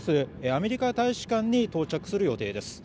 アメリカ大使館に到着する予定です。